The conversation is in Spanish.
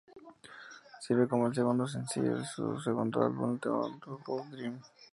Sirve como el segundo sencillo de su segundo álbum "More Than Just a Dream".